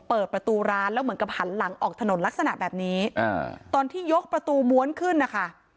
เปิดประตูร้านแล้วเหมือนกับหันหลังออกถนนลักษณะแบบนี้ตอนที่ยกประตูม้วนขึ้นนะคะ